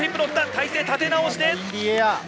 体勢立て直して。